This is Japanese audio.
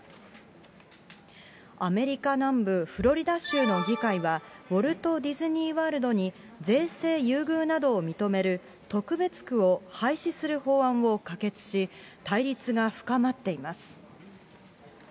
アメリカ南部フロリダ州の議会は、ウォルト・ディズニーワールドに税制優遇などを認める特別区を廃止する法案を可決し、対立が深まっています。